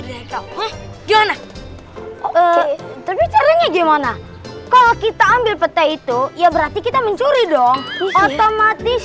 mereka gimana tapi caranya gimana kalau kita ambil petai itu ya berarti kita mencuri dong otomatis